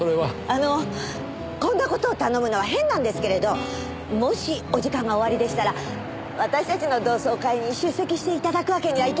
あのこんな事を頼むのは変なんですけれどもしお時間がおありでしたら私たちの同窓会に出席して頂くわけにはいきませんか？